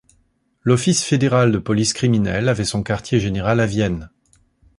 L'office fédéral de police criminelle avait son quartier général à Vienne.